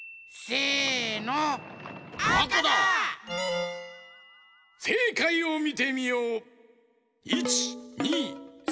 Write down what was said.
せいかいをみてみよう！